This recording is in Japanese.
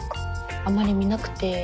あんまり見なくて。